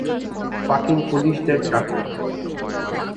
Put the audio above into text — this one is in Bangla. ফাকিং পুলিশদের ডাকো।